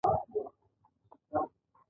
پور ورکوونکي پانګوال د اضافي ارزښت مالکان دي